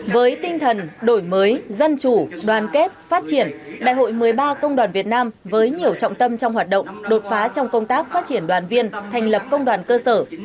với tinh thần đổi mới dân chủ đoàn kết phát triển đại hội một mươi ba công đoàn việt nam với nhiều trọng tâm trong hoạt động đột phá trong công tác phát triển đoàn viên thành lập công đoàn cơ sở